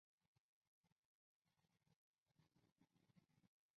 宽萼白叶莓为蔷薇科悬钩子属下的一个变种。